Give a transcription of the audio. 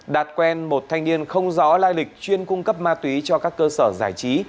đạt quen một thanh niên không rõ lai lịch chuyên cung cấp ma túy cho các cơ sở giải trí